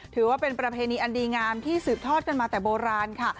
ถือว่าเป็นประเพณีอันดีงามที่สืบทอดกันมาแต่โบราณค่ะ